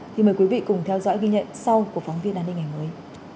thì mời quý vị cùng theo dõi ghi nhận sau của phóng viên an ninh ngày mới